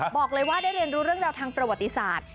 บอกเลยว่าได้เรียนรู้เรื่องราวทางประวัติศาสตร์